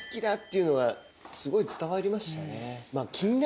いうのがすごい伝わりましたね。